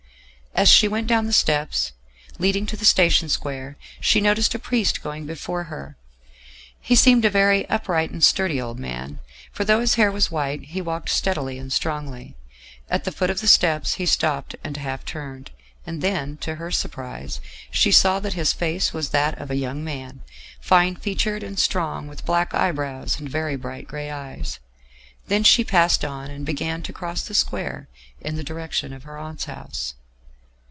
As she went down the steps leading to the station square she noticed a priest going before her. He seemed a very upright and sturdy old man, for though his hair was white he walked steadily and strongly. At the foot of the steps he stopped and half turned, and then, to her surprise, she saw that his face was that of a young man, fine featured and strong, with black eyebrows and very bright grey eyes. Then she passed on and began to cross the square in the direction of her aunt's house.